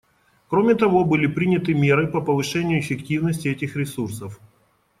Кроме того, были приняты меры по повышению эффективности этих ресурсов.